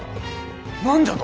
何じゃと！？